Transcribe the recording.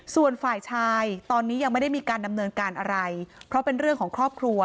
ส่วนฝ่ายชายตอนนี้ยังไม่ได้มีการดำเนินการอะไรเพราะเป็นเรื่องของครอบครัว